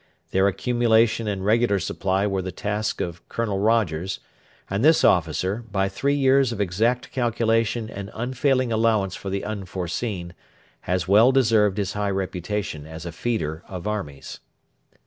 Their accumulation and regular supply were the task of Colonel Rogers, and this officer, by three years of exact calculation and unfailing allowance for the unforeseen, has well deserved his high reputation as a feeder of armies.